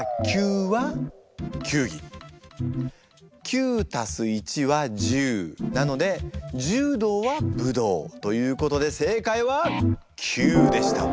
９＋１＝１０なので「じゅうどうはぶどう」ということで正解は９でした。